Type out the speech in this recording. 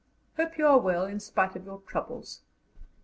"Hope you are well, in spite of your troubles.